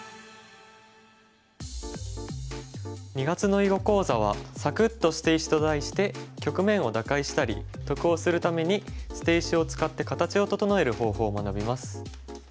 ２月の囲碁講座は「サクッ！と捨て石」と題して局面を打開したり得をするために捨て石を使って形を整える方法を学びます。